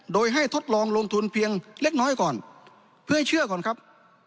โดยให้ทดลองลงทุนเพียงเล็กน้อยก่อนเพื่อให้เชื่อก่อนครับ